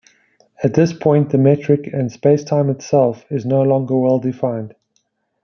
At this point the metric, and spacetime itself, is no longer well-defined.